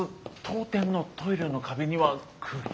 当店のトイレの壁にはクギなど。